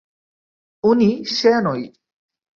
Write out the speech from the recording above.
উনি সে নয়।